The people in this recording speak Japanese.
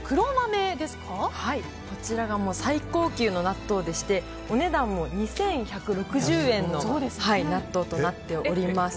こちらが最高級の納豆でしてお値段も２１６０円の納豆となっております。